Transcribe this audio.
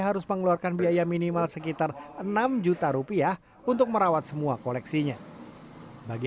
harus mengeluarkan biaya minimal sekitar enam juta rupiah untuk merawat semua koleksinya bagi